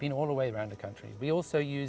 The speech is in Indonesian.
mereka memaparkan data dengan jelas